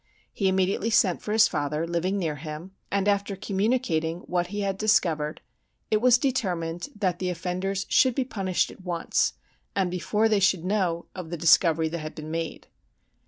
He immediately sent for his father, living near him, and after communicating what he had discovered, it was determined that the offenders should be punished at once, and before they should know of the discovery that had been made.